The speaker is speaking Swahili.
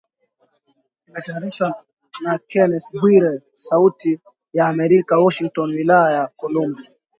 Imetayarishwa na Kennes Bwire, Sauti ya amerka Washington wilaya ya Kolumbia